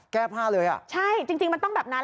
แก้ผ้าเลยอ่ะใช่จริงมันต้องแบบนั้น